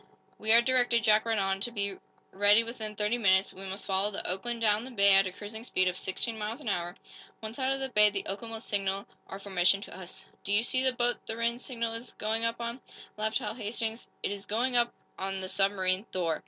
"We are directed," Jack read on, "to be ready within thirty minutes. We must follow the 'Oakland' down the bay at a cruising speed of sixteen miles an hour. Once out of the bay, the 'Oakland' will signal our formation to us." "Do you see the boat the Rhinds signal is going up on?" laughed Hal Hastings. "It is going up on the submarine 'Thor.'